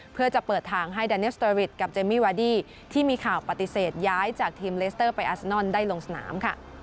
เพื่อจะเปิดทางให้ดาเนียลสเตอริดกับเจมมี่วาดี้ที่มีข่าวปฏิเสธย้ายจากทีมเลสเตอร์ไปอัสนอนได้ลงสนามค่ะ